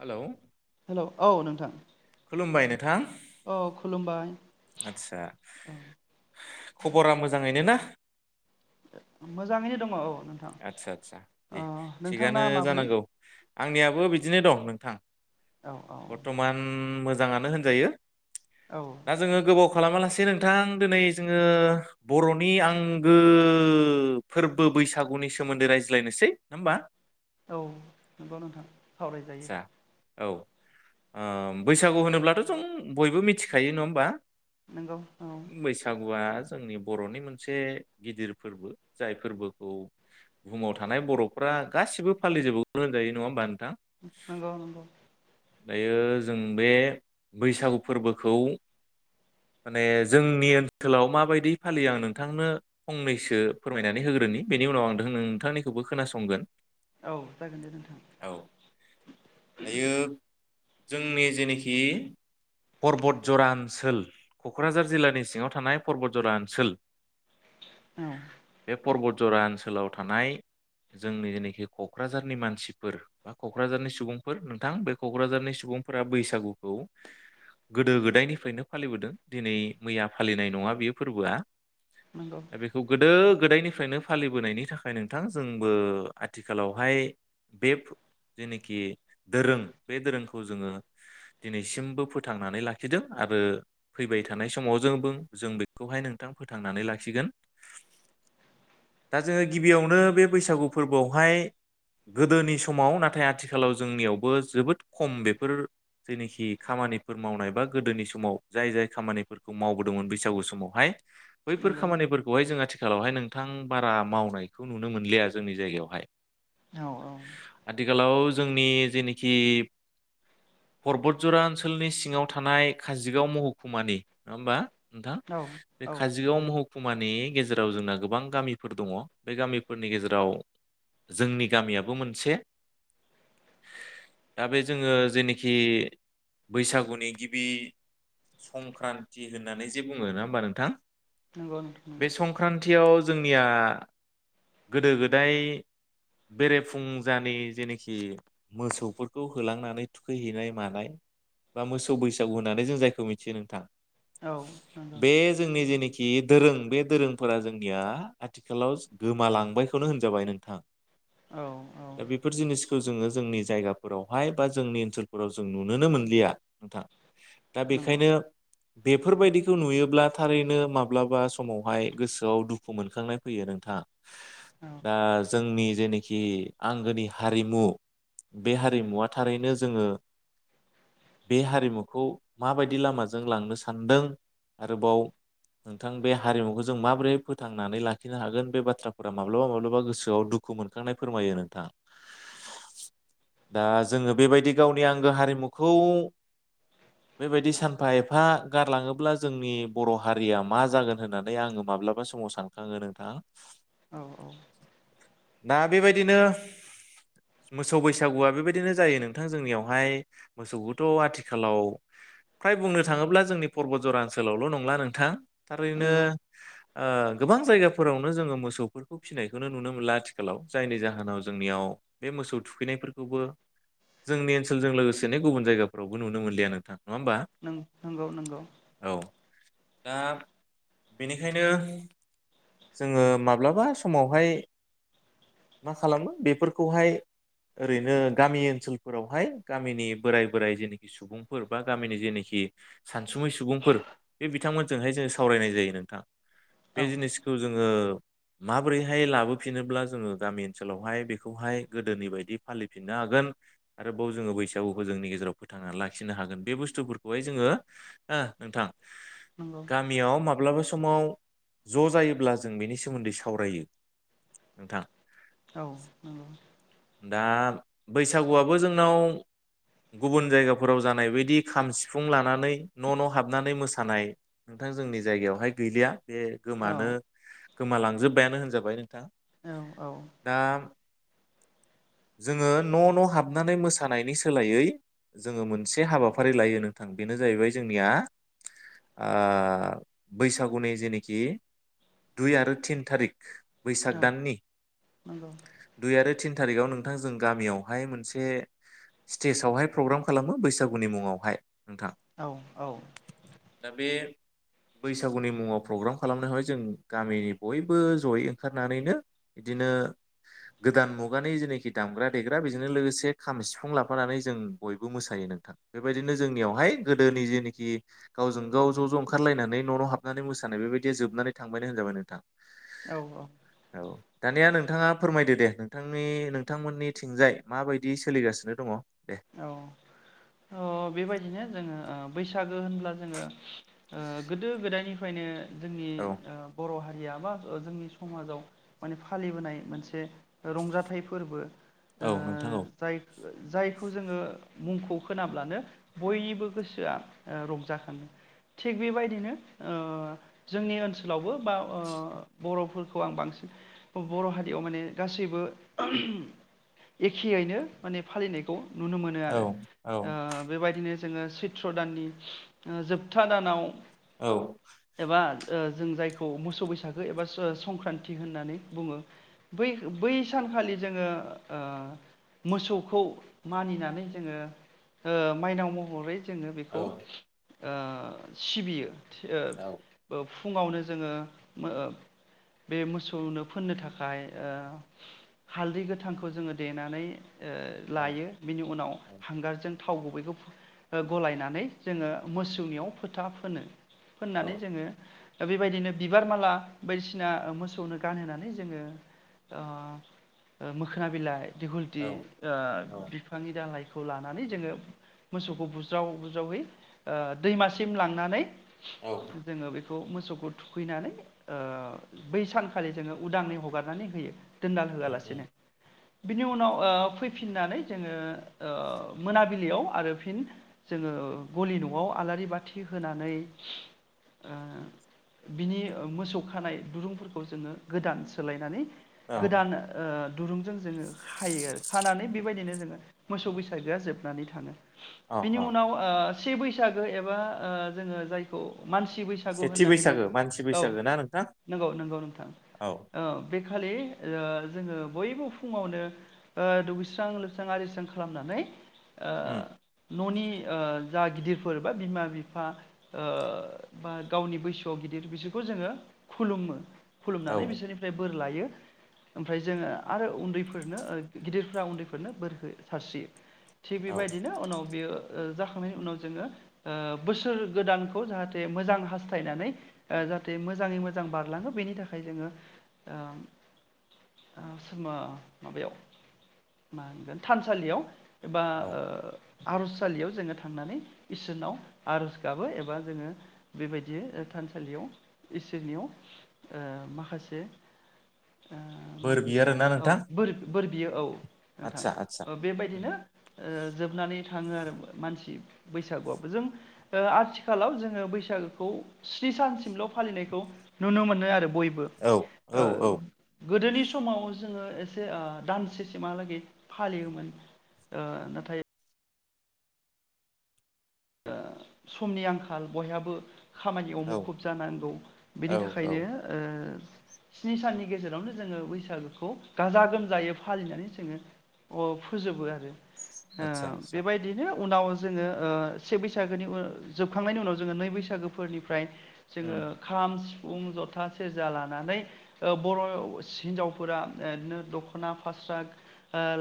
Hello hello औ नोंथां खुलुमबाय नोंथां औ खुलुमबाय आदसा औ खबरा मोजाङैनो ना मोजाङैनो दङ औ नोंथां आतसा आतसा अ दे नोंथांना थिगानो माब्रै जानांगौ आंनियाबो बिदिनो दं नोंथां औ औ बरथमान मो जाङानो होनजायो औ दा जोङो गोबाव खालामालासे नोंथां दिनै जोङो बरनि आंगो फोरबो बैसाग सागुनि सोमोन्दै रायज्लायनोसै नङा होमबा औ नोंगौ नोंथां सावरायजायो आदसा औ ओ बैसागु होनोब्लाथ जों बयबो मिथिखायो नङा होमबा नंगौ औ बैसागुआ जोंनि बरनि मोनसे गिदिर फोरबो जाय फोरबोखौ बुहुमाव थानाय बरफ्रा गासिबो फालिजोबबो होनजायो नङा होमबा नो नंगौ नंगौ दायो जों बे बैसागु फोरबोखौ माने जोंनि ओनसोलाव माबायदि फालियो आं नोंथांनो फंनैसो फोरमायनानै होग्रोनि बेनि उनाव आं नोंथांनिखौबो खोनासंगोन औ जागोन दे नोंथां औ दायो जोंनि जेनोखि पर्बत जरा ओनसोल कक्राझार जिल्लानि सिङाव थानाय पर्बत जरा ओनसोल औ बे परबत जरा ओनसोलाव थानाय जोंनि जेनोखि कक्राझारनि मानसिफोर बा कक्राझारनि सुबुंफोर नोंथां बे कक्राझारनि सुबुंफोरा बैसागुखौ गोदो गोदायनिफ्रायनो फालिबोदों दिनै मैया फालिनाय नङा बे फोरबोआ नंगौ दा बेखौ गोदो गोदायनिफ्रायनो फालिबोनायनि थाखाय नोंथां जोंबो आथिखालावहाय बे फो जेनोखि दोरों बे दोरोंखौ जोङो दिनैसिमबो फोथांनानै लाखिदों आरो फैबाय थानाय समाव जों जों बेखौहाय नोंथां फोथांनानै लाखिगोन दा जोङो गिबियावनो बे बैसागु फोरबोआवहाय गोदोनि समाव नाथाय आथिखालाव जोंनियावबो जोबोद खम बेफोर जेनिखि खामानिफोर मावनाय बा गोदोनि समाव जाय जाय खामानिफोरखौ मावबोदोंमोन बैसागु समावहाय बैफोर नंगौ खामानिफोरखौहाय जोंहा आथि खालावहाय नोंथां बारा मावनायखौ नुनो मोनलिया जोंनि जायगायावहाय औ आथिखालाव जोंनि जेनोखि परबतजरा ओनसोलनि सिङाव थानाय काजिगाव महकुमानि नङा होमबा? नोंथां औ बे औ काजिगाव महकुमानि गेजेराव जोंना गोबां गामि फोर दङ बे गामिफोरनि गेजेराव जोंनि गामियाबो मोनसे दा बे जोङो जेनोखि बैसागुनि गिबि संक्रान्ति होननानै जे बुङो नङा होमबा नोंथां? नंगौ नोंथां बे नंगौ संक्रान्तियाव निया गोदो गोदाय बेरेफुंजानि जेनोखि मोसौफोरखौ होलांनानै थुखैहैनाय मानाय बा मोसौ बैसागु होननानै जों जायखौ मिथियो नोंथां। औ नंगौ बे जोंनि जेनोख कि दोरों बे दोरोंफोरा जोंनिया आथिखालाव गोमालांबायखौनो होनजाबाय नोंथां। औ औ दा बेफोर जिनिसखौ जोङो जोंनि जायगाफोरावहाय बा जोंनि ओनसोलफोराव जों नुनोनो मोनलिया नोंथां। दा नंगौ बेखायनो बेफोरबायदिखौ नुयोब्ला थारैनो माब्लाबा समावहाय गोसोआव दुखु मोन खांनाय फैयो नोंथां। औ दा जोंनि जेने खि आंगोनि हारिमु बे हारिमुवा थारैनो जोङो बे हारिमुखौ माबायदि लामाजों लांनो सानदों आरोबाव नोंथां बे हारिमुखौ जों माबोरै फोथां नानै लाखिनो हागोन बे बाथ्राफोरा माब्लाबा माब्लाबा गोसोआव दुखु मोनखांनाय फोरमायो नोंथां। दा जोंङो बेबायदि गावनि आंगो हारिमुखौ बेबायदि सानफा एफा गारलांङोब्ला जोंनि बर' हारिया मा जागोन होननानै आंङो माब्लाबा समाव सान आंङो नोंथां औ औ दा बेबायदिनो मोसौ बैसागुआ बेबायदिनो जायो नोंथां जोंनियावहाय मोसौखौथ' आथिखालाव फ्राय बुंनो थांङोब्ला जोंनि पर्बतजरा ओनसोलावल' नंला नोंथां। थारैनो नंगौ ओ यगाफोरावनो जोंङो मोसौफोरखौ फिसिनायखौनो नुनो मोनला आथिखालाव जायनि जाहोनाव जोंनियाव बे मोसौ थुखैनायफोरखौबो जोंनि ओनसोलजों लोगोसेनो गुबुन जायगाफोरावबो नुनो मोनलिया नोंथां। नङा होमबा नों नंगौ नंगौ औ दा बेनिखायनो जोंङो माब्लाबा समावहाय मा खालामो बेफोरखौहाय ओरैनो गामि ओनसोलफोरावहाय गामिनि बोराय बोराइ जेनोखि सुबुंफोर बा गामिनि जेनोखि सानसुमै सुबुंफोर बे बिथांमोनजोंहाय जोङो सावरायनाय जायो नोंथां। बे औ जिनिसखौ जोंङो माबोरैहाय लाबोफिनोब्ला जोंङो गामि ओनसोलावहाय बेखौहाय गोदोनि बायदि फालिफिननो हागोन आरोबाव जोंङो बैसागुखौ जोंनि गेजेराव फोथांनानै लाखिनो हागोन बे बुस्थुफोरखौहाय जोंङो ओ नोंथां नंगौ गामियाव माब्लाबा स समाव ज' जायोब्ला जों बेनि सोमोन्दै सावरायो नोंथां। औ नंगौ दा बैसागुआबो जोंनाव गुबुन जायगाफोराव जानाय बदि खाम सिफुं लानानै न' न' हाबनानै मोसानाय नोंथां जोंनि जायगायावहाय गैलिया बे औ गोमानो गोमालांजोबबायानो होनजाबाय औ औ दा जोंङो न' न' हाबनानै मोसानायनि सोलायै जोंङो मोनसे हाबाफारि लायो नोंथां बेनो जाहैबाय जोंनिया ओ बैसागुनि जेनेख खि दुइ आरो तिन थारिख बैसाग औ दाननि नंगौ दुइ आरो थिन थारिकआव नोंथां जों गामियावहाय मोनसे स्टेजावहाय प्रग्राम खालामो बैसागुनि मुंङावहाय नोंथां औ दा बे बैसागुनि मुङाव प्रग्राम खालामनोहाय जों गामिनि बयबो जयै ओंखारनानैनो बिदिनो गोदान मुगानि जेनोखि दामग्रा देग्रा बेजोंनो लोगोसे खाम सिफुं लाफानानै जों बयबो मोसायो नोंथां बेबायदिनो जोंनियावहाय गोदोनि जेनोखि गावजों गाव ज' ज' ओंखारलायनानै न' न' हाबनानै मोसानाय बेबायद दि जोबनानै थांबायानो होनजाबाय नोंथां औ औ औ दानिया नोंथांङा फोरमायदो दे नोंथांनि नोंथांमोननि थिंजाय माबायदि सोलिगासिनो दंङ औ अ बेबायदिनो जोंङो बैसागो होनब्ला जोङो ओ गोदो गोदायनिफ्रायनो जोंनि औ ओ बर' हारि या बा जोंनि समाजाव माने फालिबोनाय मोनसे रंजाथाइ फोरबो ओ औ नोंथां औ जाय ओ जाय खौ जोङो मुंखौ खोनाब्लानो बयनिबो गोसोआ ओ रंजाखाङो थिग बेबायदिनो ओ जोंनि ओनसोलावबो बा ओ बर'फोरखौ आं बांसिन बर' हारियाव माने गासैबो एखेयैनो माने फालिनायखौ नुनो मोनो औ आरो औ ओ बेबायदिनो जोङो सैथ्र दाननि ओ जोबथा दानाव औ एबा ओ जों जायखौ मोसौ बैसागो एबा सं संक्रान्ति होननानै बुङो बै बै सानखालि जोङो ओ मोसौखौ मानिनानै जोङो ओ माइनाव महरै जोङो औ बेखौ ओ सिबियो सि ओब औ बोब फुङावनो जोङो बे मोब मोसौनो फोननो थाखाय ओ हालदै गोथांखौ जोङो देनानै ओ लायो नि उनाव हांगारजों थाव गुबैखौ गलायनानै जोङो मोसौनियाव फोथा फोनो फोननानै औ जोङो बेबायदिनो बिबार माला बायदिसिना मोसौनो गानहोनानै जोङो अ मोखोना बिलाइ दिगुलथि औ ओ औ आ दालायखौ लानानै जोङो मोसौखौ बुज्राव बुज्रावै ओ दैमासिम लांनानै औ जोङो बे खौ मोसौखौ थुखैनानै ओ बै सानखालि जोङो उदाङै हगारनानै होयो। दोनदाल उम उम होआलासिनो। बिनि उनाव ओ फैफिननानै जोङो ओ मोनाबिलियाव आरो फिन जोङो गलि न'आव आलारि बाथि होनानै ओ बिनि मोसौ खानाय दुरुंफोरखौ जोङो गोदान सोलायनानै औ गोदान ओ दुरुंजों जोङो खायो आरो खानानै बेबायदिनो जोङो मोसौ बैसागोआ जोबनानै थाङो। औ बिनि औ उनाव ओ से बैसागो एबा ओ जोङो जायखौ मानसि बैसागु सेथि होननानै बुङो बैसागो मानसि औ बैसागो ना नोंथां नंगौ-नंगौ नोंथां औ बे बे खालि ओ जोङो बयबो फुङावनो ओ दुगैस्रां लोब स्रां आरिस्रां खालामनानै ओ उम न'नि जा गिदिरफोर बा बिमा-बिफा बा गावनि बैसोआव गिदिर बिसोरखौ जोङो खुलुमो। औ खुलुमनानै बिसोरनिफ्राय बोर लायो, ओमफ्राय जों आरो उन्दैफोरनो गिदिरफ्रा उन्दै फोरनो बोरखौ सारस्रियो। थिग औ बेबायदिनो उनाव बियो जाखांनायनि उनाव जोङो बोसोर गोदानखौ जाहाथे मोजां हास्थायनानै जाहाथे मोजाङै मोजां बारलाङो बेनि थाखाय जोङो थानसालियाव एबा औ आर'जसालियाव जोङो थांनानै इसोरनाव आर'ज गाबो एबा जोङो बेबायदि थानसालियाव इसोरनियाव माखासे बोर बियो आरोना नोंथां बोर बियो। बियो औ। आदसा आदसा नोंथां उम बेबायदिनो जोबनानै थाङो आरो मानसि बैसागुआबो। जों आथिखालाव जोङो बैसागुखौ स्नि सानसिमल' फालिनायखौ नुनो मोनो आरो बयबो औ औ औ बो गोदोनि समाव जोङो एसे दानसेसिमहालागै फालियोमोन नाथाय समनि आंखाल बयहाबो खामानियाव औ मुखुब जानांगौ बेनि औ औ थाखायनो स्नि साननि गेजेरावनो जोङो बैसागोखौ गाजा-गोमजायै फालिनानै जोङो फोजोबो आरो। ओ आदसा आदसा बेबायदिनो उनाव जोङो ओ से बैसागोनि ओ जोबखांनायनि उनाव जोङो नै बैसागोफोरनिफ्राय जोङो उम खाम सिफुं जथा सेरजा लानानै बर हिनजावफोरा बिदिनो दखना फास्रा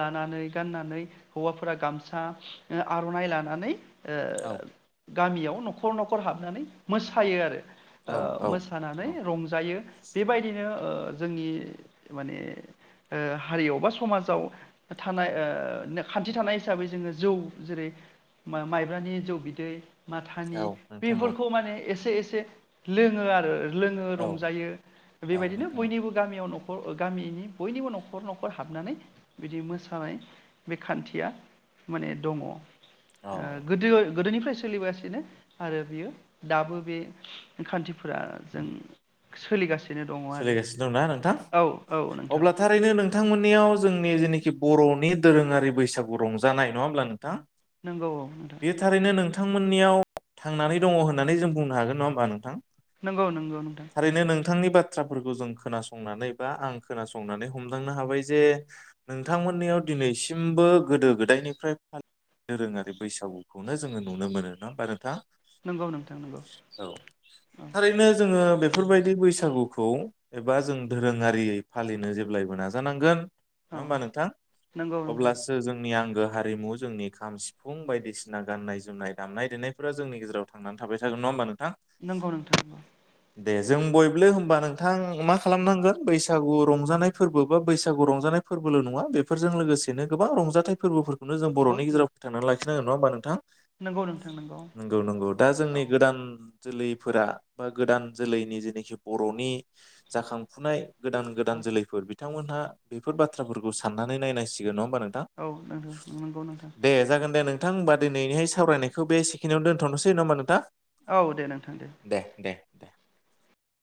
लानानै गाननानै हौवाफोरा गामसा आरनाइ लानानै औ ओ गामियाव नखर नखर हाबनानै मोसायो आरो औ ओ औ नोंथां मोसानानै औ रंजायो बेबायदिनो ओ जोंनि माने ओ हारियाव बा समाजाव थानाय खान्थि थानाय हिसाबै जोङो जौ जेरै माइ ब्रानि जौ बिदै माथानि औ नोंथां औ बेफोरखौ माने ए से एसे लोङो आरो लोङो औ रंजायो औ बेबायदिनो नोंथां औ बयनिबो गामियाव नख गामिनि बयनिबो नखर नखर हाबनानै बिदि मोसानाय बे खान्थिया माने दङ औ ओ गोदो गोदोनिफ्राय सोलिबोगासिनो आरो बियो दाबो बे खान्थि फोरा जों सोलिगासि सोलिगासिनो दंना नोंथां औ नोंथां अब्ला थारैनो नोंथांमोननियाव जोंनि जेनोखि बरनि दोरोङारि बैसागु रंजानाय नङा होमब्ला नोंथां? नंगौ औ नोंथां बेयो थारैनो नोंथांमोननियाव थांनानै दङ होननानै जों बुंनो हागोन नङा होमबा नोंथां? नंगौ नंगौ नोंथां थारैनो नोंथांनि बाथ्राफोरखौ जों खोनासंनानै बा आं खोनासंनानै हमदांनो हाबाय जे नोंथांमोननियाव दिनैसिमबो गोदो गोदायनिफ्राय फालि दोरोङारि बैसागुखौनो जोङो नुनो मोनो नङा होमबा नोंथां? नंगौ नोंथां नंगौ औ औ थारैनो जोङो बेफ फोरबायदि बैसागु खौ एबा जों धोरोङारि फालिनो जेब्लायबो नाजानांगोन। औ नङा होमबा नोंथां नंगौ नोंथां अब्लासो जोंनि आं गो हारिमु जोंनि खाम सिफुं बायदिसिना गाननाय जोमनाय दामनाय देनायफोरा जोंनि गेजेराव थांनानै थाबाय थागोन नङा होमबा नों थां नंगौ नोंथां नंगौ दे जों बयब्लो होमबा नोंथां मा खालामनांगोन बैसागु रंजानाय फोरबो बा बैसागु रंजानाय फोरबोल नङा बेफोरजों लोगोसेनो गोबां रंजाथाइ फोरबोफोर खौनो जों औ बरनि गेजेराव फथांना लाखि खिनांगोन नङा होनबा नोंथां? नंगौ नोंथां नंगौ नंगौ दा जोंनि औ गोदान जोलैफोरा बा गोदान जोलैनि जेनोखि बरनि जाखांफुनाय गोदान गोदान औ जोलैफोर बिथांमोनहा बेफोर बाथ्राफोरखौ साननानै नायनांसिगोन नङा होनबा नोंथां? औ नंगौ नंगौ नोंथां दे जागोन दे नों नोंथां होनबा दिनैनि सावरायनायखौ बेसेकिनायावनो दोनथ'सै नङा होनबा नोंथां? औ दे नोंथां दे। दे।